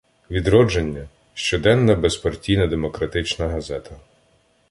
Відродження: щоденна безпартійна демократична газета.